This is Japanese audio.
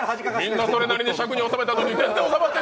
みんなそれなりに尺に収めたのに。